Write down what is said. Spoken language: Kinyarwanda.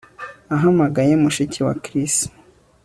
Nahamagaye mushiki wa Chris